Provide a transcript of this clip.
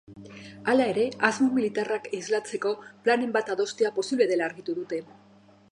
Hala ere, asmo militarrak islatzeko planen bat adostea posiblea dela argitu dute.